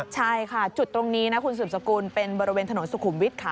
ใช่ค่ะจุดตรงนี้นะคุณสืบสกุลเป็นบริเวณถนนสุขุมวิทย์ค่ะ